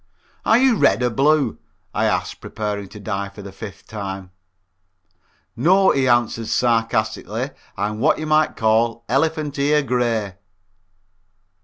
"Are you Red or Blue?" I asked, preparing to die for the fifth time. "No," he answered, sarcastically, "I'm what you might call elephant ear gray."